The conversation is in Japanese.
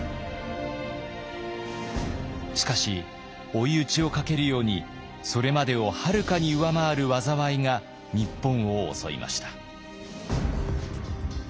しかし追い打ちをかけるようにそれまでをはるかに上回る災いが日本を襲いました。